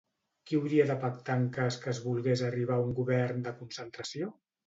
Qui hauria de pactar en cas que es volgués arribar a un govern de concentració?